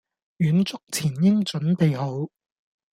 遠足前應準備好